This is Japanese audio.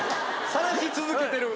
さらし続けてる。